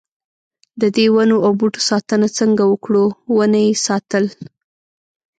ددې ونو او بوټو ساتنه څنګه وکړو ونه یې ساتل.